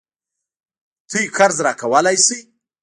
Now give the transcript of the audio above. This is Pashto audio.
تاسو قرض راکولای شئ؟